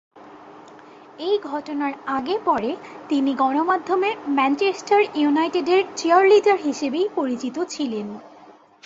এই ঘটনার আগে-পরে তিনি গণমাধ্যমে ম্যানচেস্টার ইউনাইটেডের চিয়ার-লিডার হিসেবেই পরিচিত ছিলেন।